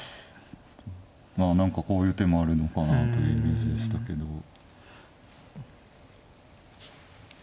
まあ何かこういう手もあるのかなというイメージでしたけど。